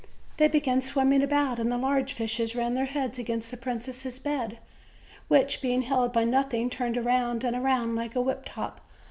They began swimming about; and the large fishes ran their heads against the princess' bed, which, being held by nothing, turned round and round like a whip top.